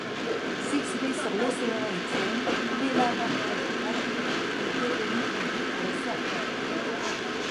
Située sur l'océan Indien, Pelabuhan Ratu est devenue un lieu pour les surfers.